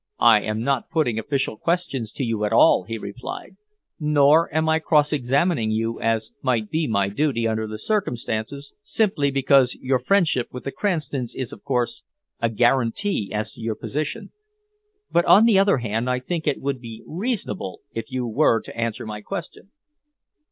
"I am not putting official questions to you at all," he replied, "nor am I cross examining you, as might be my duty, under the circumstances, simply because your friendship with the Cranstons is, of course, a guarantee as to your position. But on the other hand, I think it would be reasonable if you were to answer my question."